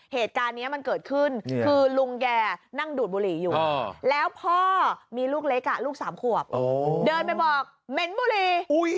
เหตุการณ์นี้มันเกิดขึ้นคือลุงแกนั่งดูดบุหรี่อยู่แล้วพ่อมีลูกเล็กลูก๓ขวบเดินไปบอกเหม็นบุรี